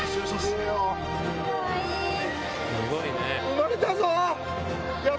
生まれたぞ。